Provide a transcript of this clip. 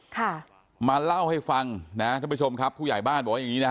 ค่ะมาเล่าให้ฟังนะครับผู้ใหญ่บ้าน